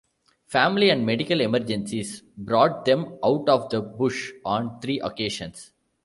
Family and medical emergencies brought them out of the bush on three occasions.